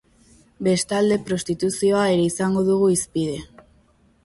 Bestalde, prostituzioa ere izango dugu hizpide.